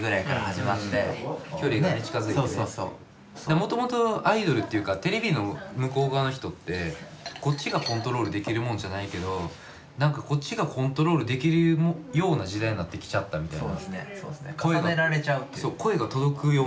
もともとアイドルっていうかテレビの向こう側の人ってこっちがコントロールできるもんじゃないけど何かこっちがコントロールできるような時代になってきちゃったみたいな。